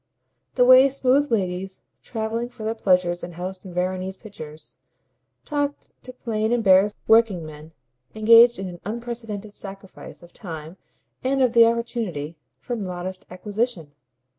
The way smooth ladies, travelling for their pleasure and housed in Veronese pictures, talked to plain embarrassed workingmen, engaged in an unprecedented sacrifice of time and of the opportunity for modest acquisition!